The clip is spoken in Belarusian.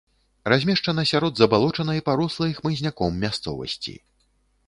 Размешчана сярод забалочанай, парослай хмызняком мясцовасці.